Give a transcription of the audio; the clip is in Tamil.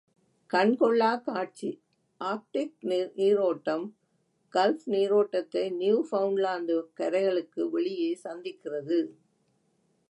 கண் கொள்ளாக் காட்சி ஆர்க்டிக் நீரோட்டம் கல்ப் நீரோட்டத்தை நியூபவுண்ட்லாந்து கரைகளுக்கு வெளியே சந்திக்கிறது.